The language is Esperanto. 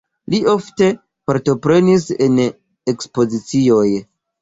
Li ofte partoprenis en ekspozicioj.